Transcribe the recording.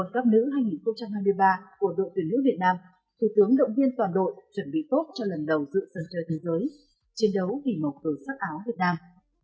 trong cuộc gặp nữ hai nghìn hai mươi ba của đội tuyển nữ việt nam thủ tướng động viên toàn đội chuẩn bị tốt cho lần đầu dự sân chơi thế giới chiến đấu vì mộc tử sắc áo việt nam